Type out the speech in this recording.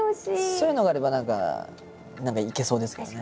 そういうのがあれば何か何か行けそうですけどね。